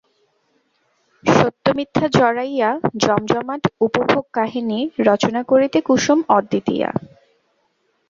সত্যমিথ্যা জড়াইয়া জমজমাট উপভোগ কাহিনী রচনা করিতে কুসুম অদ্বিতীয়া।